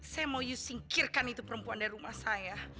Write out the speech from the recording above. saya mau you singkirkan itu perempuan dari rumah saya